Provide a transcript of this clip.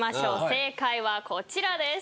正解はこちらです。